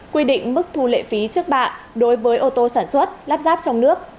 quy định mức thu lệ phí trước bạ đối với ô tô sản xuất lắp ráp trong nước